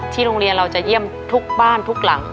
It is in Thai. โรงเรียนเราจะเยี่ยมทุกบ้านทุกหลัง